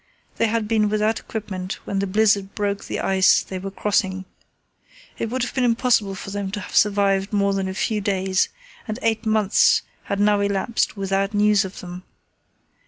They had been without equipment when the blizzard broke the ice they were crossing. It would have been impossible for them to have survived more than a few days, and eight months had now elapsed without news of them.